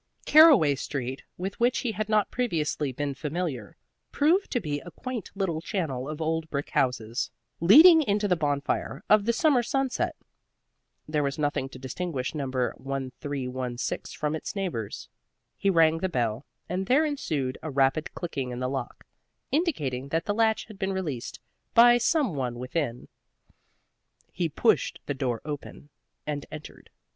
Caraway Street, with which he had not previously been familiar, proved to be a quaint little channel of old brick houses, leading into the bonfire of the summer sunset. There was nothing to distinguish number 1316 from its neighbors. He rang the bell, and there ensued a rapid clicking in the lock, indicating that the latch had been released by some one within. He pushed the door open, and entered.